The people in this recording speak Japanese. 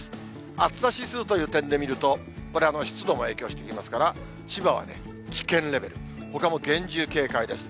暑さ指数という点で見ると、これ、湿度も影響してきますから、千葉はね、危険レベル、ほかも厳重警戒です。